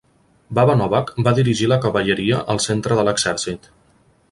Baba Novac va dirigir la cavalleria al centre de l'exèrcit.